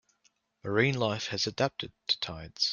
Marine life has adapted to tides.